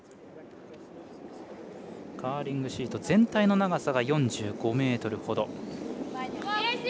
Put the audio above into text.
カーリングシート全体の長さが４５ｍほど。